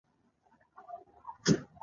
هو ته یې، موږ دواړه یو، یو. ما وویل.